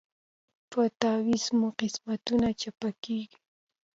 په تعویذ مو قسمتونه چپه کیږي